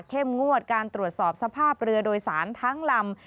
งวดการตรวจสอบสภาพเรือโดยสารทั้งลำ